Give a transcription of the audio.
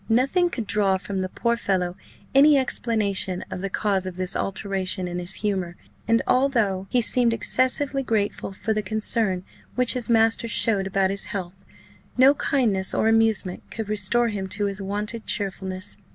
Nothing could draw from the poor fellow any explanation of the cause of this alteration in his humour; and though he seemed excessively grateful for the concern which his master showed about his health, no kindness or amusement could restore him to his wonted cheerfulness.